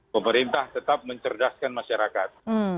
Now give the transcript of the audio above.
pemerintah tetap mencerdaskan masyarakat